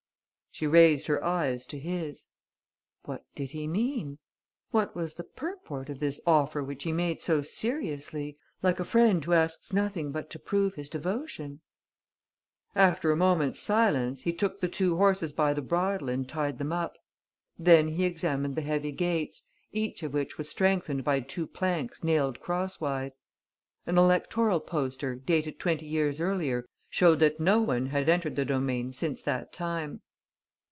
She raised her eyes to his. What did he mean? What was the purport of this offer which he made so seriously, like a friend who asks nothing but to prove his devotion? After a moment's silence, he took the two horses by the bridle and tied them up. Then he examined the heavy gates, each of which was strengthened by two planks nailed cross wise. An electoral poster, dated twenty years earlier, showed that no one had entered the domain since that time.